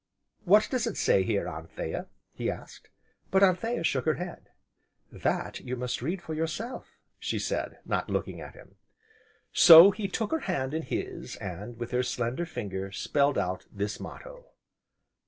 "What does it say, here, Anthea?" he asked. But Anthea shook her head: "That, you must read for yourself!" she said, not looking at him. So, he took her hand in his, and, with her slender finger, spelled out this motto.